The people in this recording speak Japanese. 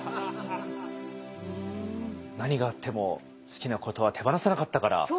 何があっても好きなことは手放さなかったから。